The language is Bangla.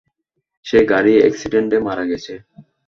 সে গাড়ি এক্সিডেন্টে মারা গেছে।